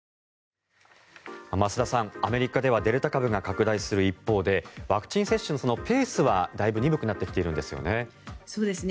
増田さん、アメリカではデルタ株が拡大する一方でワクチン接種のペースはだいぶ鈍くなってきているんですよね。